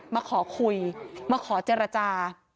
มาขอคุยมาขอเจรจา